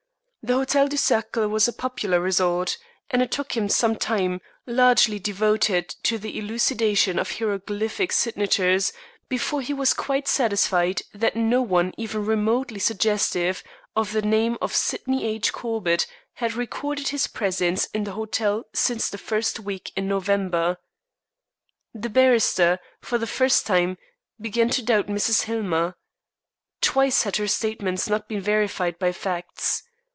The Hotel du Cercle was a popular resort, and it took him some time, largely devoted to the elucidation of hieroglyphic signatures, before he was quite satisfied that no one even remotely suggestive of the name of Sydney H. Corbett had recorded his presence in the hotel since the first week in November. The barrister, for the first time, began to doubt Mrs. Hillmer. Twice had her statements not been verified by facts.